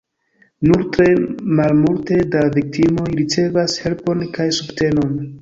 Nur tre malmulte da viktimoj ricevas helpon kaj subtenon.